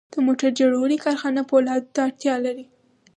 د موټر جوړونې کارخانه پولادو ته اړتیا لري